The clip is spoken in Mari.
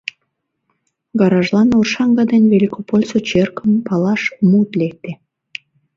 Гаражлан Оршанка ден Великопольысо черкым палаш мут лекте.